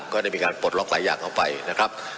ก็ได้มีการปลดล็อกหลายอย่างเข้าไปนะครับ